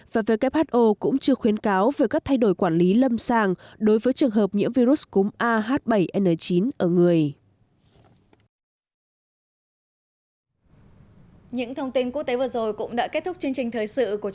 và who cũng chưa khuyến cáo về các thay đổi quản lý lâm sàng đối với trường hợp nhiễm virus cúm ah bảy n chín ở người